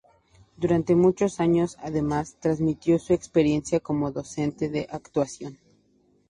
Durante muchos años, además, transmitió su experiencia como docente de actuación.